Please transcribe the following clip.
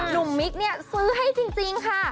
มิ๊กเนี่ยซื้อให้จริงค่ะ